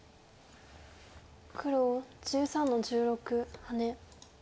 黒１３の十六ハネ。